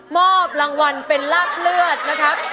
มอบรางวัลเป็นลาบเลือดนะครับ